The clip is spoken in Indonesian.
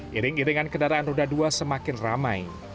giring giringan kedaraan roda dua semakin ramai